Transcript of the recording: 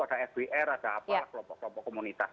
ada fbr ada apa kelompok kelompok komunitas